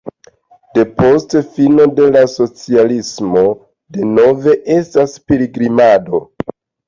Depost fino de la socialismo denove estas pilgrimado.